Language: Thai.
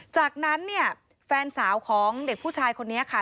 จากนั้นเนี่ยแฟนสาวของเด็กผู้ชายคนนี้ค่ะ